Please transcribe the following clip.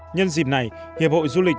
nhân dịp này hiệp hội du lịch